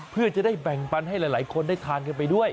เพื่อจะได้แบ่งปันให้หลายคนได้ทานกันไปด้วย